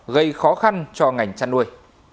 gây khó khăn cho ngành chăn nuôi